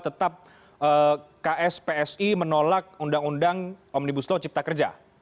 tetap kspsi menolak undang undang omnibus law cipta kerja